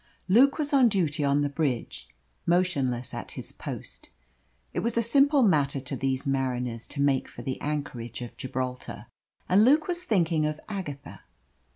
Luke was on duty on the bridge, motionless at his post. It was a simple matter to these mariners to make for the anchorage of Gibraltar, and Luke was thinking of Agatha.